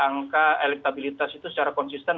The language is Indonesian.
angka elektabilitas itu secara konsisten